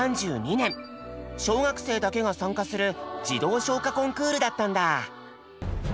小学生だけが参加する「児童唱歌コンクール」だったんだ。